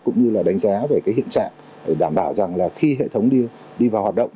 cũng như là đánh giá về hiện trạng để đảm bảo rằng khi hệ thống đi vào hoạt động